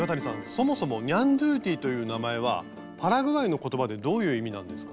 そもそもニャンドゥティという名前はパラグアイの言葉でどういう意味なんですか？